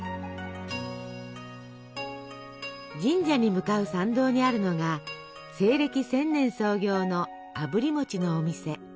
神社に向かう参道にあるのが西暦１０００年創業のあぶり餅のお店。